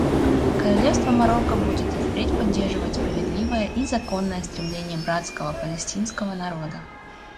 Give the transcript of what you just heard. Королевство Марокко будет и впредь поддерживать справедливое и законное стремление братского палестинского народа.